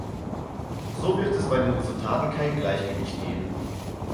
So wird es bei den Resultaten kein Gleichgewicht geben.